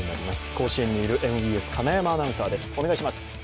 甲子園にいるＭＢＳ、金山アナウンサーです。